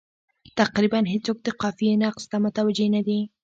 تقریبا هېڅوک د قافیې نقص ته متوجه نه دي.